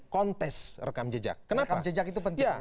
kontes rekam jejak kenapa